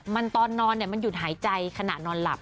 มันตอนนอนมันหยุดหายใจขณะนอนหลับ